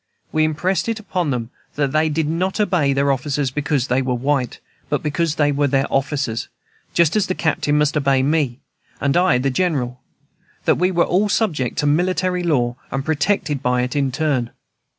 We impressed it upon them that they did not obey their officers because they were white, but because they were their officers, just as the Captain must obey me, and I the General; that we were all subject to military law, and protected by it in turn.